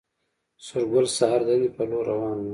سورګل سهار د دندې پر لور روان و